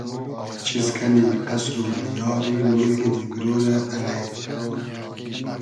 چیز کئنی قئسر و دیاری مولگی دیگرۉ رۂ الݷ